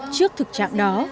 trước thực trạng đó